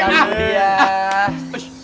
selamat malam bu